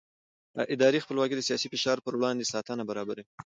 اداري خپلواکي د سیاسي فشار پر وړاندې ساتنه برابروي